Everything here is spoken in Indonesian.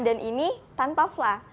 dan ini tanpa fla